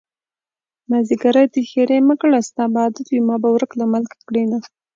مازديګری دی ښېرې مکړه ستا به عادت وي ما به ورک له ملکه کړينه